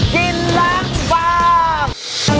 กินรักบ้าง